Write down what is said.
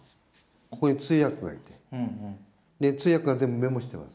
ここに通訳がいて、通訳が全部メモしてます。